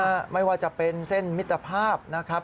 ไม่ว่าจะเป็นเส้นมิตรภาพนะครับ